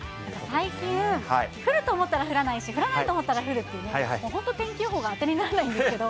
最近、降ると思ったら降らないし、降らないと思ったら降るっていう、本当、天気予報が当てにならないんですけど。